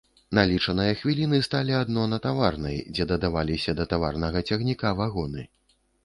На лічаныя хвіліны сталі адно на таварнай, дзе дадаваліся да таварнага цягніка вагоны.